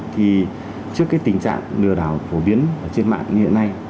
thì trước tình trạng lừa đảo phổ biến trên mạng như thế này